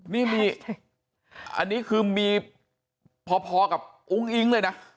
เนี่ยอันนี้คือพอกับองค์อิงค์เลยนะ